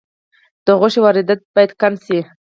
د غوښې واردات باید کم شي